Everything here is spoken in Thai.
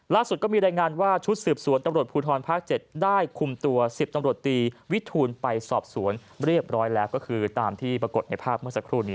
ก็มีรายงานว่าชุดสืบสวนตำรวจภูทรภาค๗ได้คุมตัว๑๐ตำรวจตีวิทูลไปสอบสวนเรียบร้อยแล้วก็คือตามที่ปรากฏในภาพเมื่อสักครู่นี้